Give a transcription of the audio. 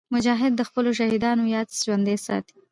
مجاهد د خپلو شهیدانو یاد ژوندي ساتي.